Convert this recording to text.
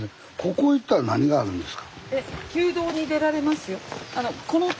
ここ行ったら何があるんですか？